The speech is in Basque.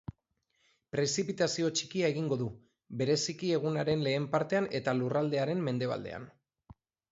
Prezipitazio txikia egingo du, bereziki egunaren lehen partean eta lurraldearen mendebaldean.